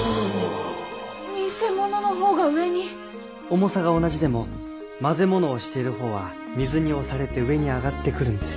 重さが同じでも混ぜ物をしているほうは水に押されて上に上がってくるんです。